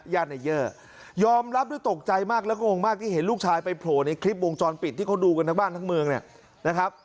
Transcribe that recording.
นายเยอร์ยอมรับด้วยตกใจมากแล้วก็งงมากที่เห็นลูกชายไปโผล่ในคลิปวงจรปิดที่เขาดูกันทั้งบ้านทั้งเมืองเนี่ยนะครับ